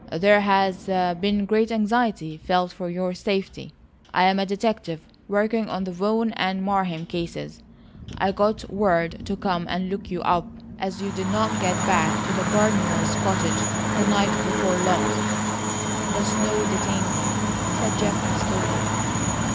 "There has been great anxiety felt for your safety. I am a detective working on the Vaughan and Marheim cases. I got word to come and look you up as you did not get back to the gardener's cottage the night before last." "The snow detained me," said Geoffrey slowly.